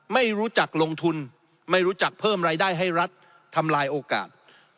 ไม่รู้จักลงทุนไม่รู้จักเพิ่มรายได้ให้รัฐทำลายโอกาส